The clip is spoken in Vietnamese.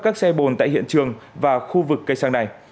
các xe bồn tại hiện trường và khu vực cây xăng này